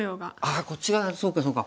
あこっち側そうかそうか。